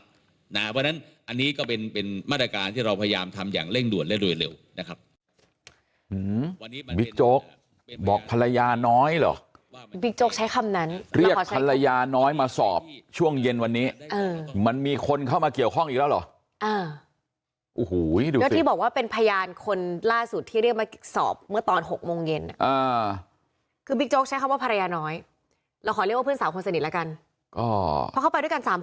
เพราะฉะนั้นอันนี้ก็เป็นเป็นมาตรการที่เราพยายามทำอย่างเร่งด่วนและโดยเร็วนะครับ